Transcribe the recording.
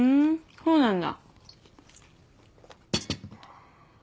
そうなんだ。